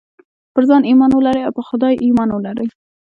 پر ځان ايمان ولرئ او پر خدای ايمان ولرئ.